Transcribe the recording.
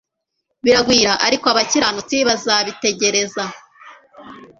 biragwira Ariko abakiranutsi bazabitegereza